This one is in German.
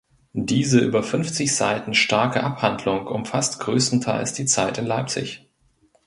Diese über fünfzig Seiten starke Abhandlung umfasst größtenteils die Zeit in Leipzig.